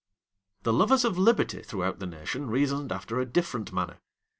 The lovers of liberty throughout the nation reasoned after a different manner.